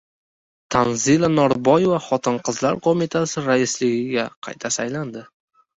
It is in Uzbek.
Tanzila Norboyeva Xotin-qizlar qo‘mitasi raisligiga qayta saylandi